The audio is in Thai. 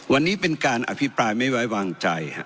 วันนี้เป็นการอภิปรายไม่ไว้วางใจ